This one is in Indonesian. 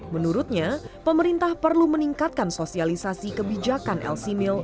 menurutnya pemerintah perlu meningkatkan sosialisasi kebijakan lc mil